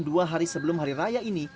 dua hari sebelum hari raya ini